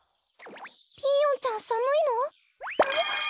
ピーヨンちゃんさむいの？